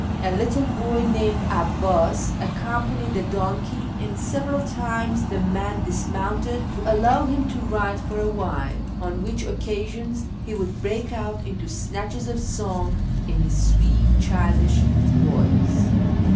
A little boy named 'Abbas accom panied the donkey, and several times the man dismounted to allow him to ride for a while, on which occasions he would break out into snatches of song in his sweet, childish voice.